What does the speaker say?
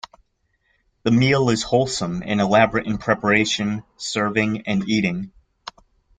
The meal is wholesome and elaborate in preparation, serving and eating.